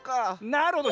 なるほど。